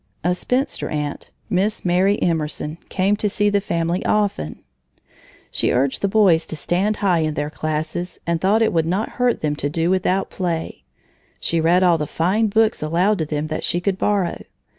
A spinster aunt, Miss Mary Emerson, came to see the family often. She urged the boys to stand high in their classes and thought it would not hurt them to do without play. She read all the fine books aloud to them that she could borrow.